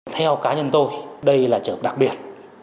theo cá nhân tôi đây là trợ đặc biệt